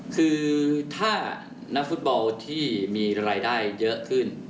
คือถ้านักฟุตบอลที่มีรายได้เยอะขึ้น